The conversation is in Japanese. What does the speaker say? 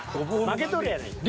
負けとるやないか。